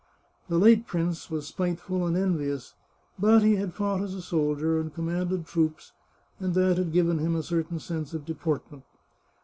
" The late prince was spiteful and envious, but he had fought as a soldiier, and commanded troops, and that had given him a certain sense of deportment.